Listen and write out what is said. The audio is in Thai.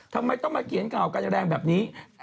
ทำไมต้องมาเขียนข่าวกันแรงแบบนี้